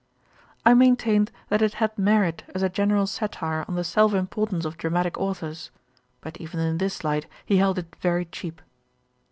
I maintained that it had merit as a general satire on the self importance of dramatick authours. But even in this light he held it very cheap.